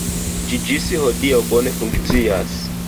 Ĝi ĝis hodiaŭ bone funkcias.